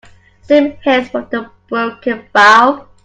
Steam hissed from the broken valve.